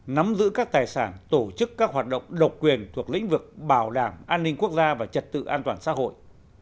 nắm giữ các tài sản tổ chức các hoạt động độc quyền thuộc lĩnh vực bảo đảm an ninh quốc gia và trật tự an toàn xã hội